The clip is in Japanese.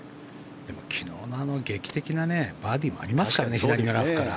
でも昨日のあの劇的なバーディーもありますからね左のラフから。